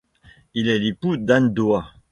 Il est l'époux d'Anne Doat.